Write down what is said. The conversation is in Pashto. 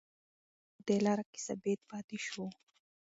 راځئ چې په دې لاره کې ثابت پاتې شو.